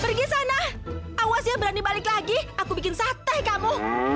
pergi sana awasnya berani balik lagi aku bikin sate kamu